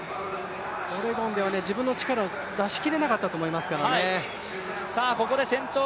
オレゴンでは自分の力を出し切れなかったと思いますからね。